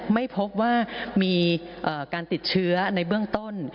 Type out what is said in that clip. ไม่พบว่ามีการติดเชื้อในเบื้องต้น